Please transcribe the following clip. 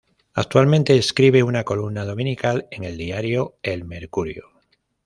Actualmente escribe una columna dominical en el diario "El Mercurio".